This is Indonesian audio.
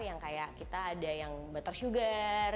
yang kayak kita ada yang butter sugar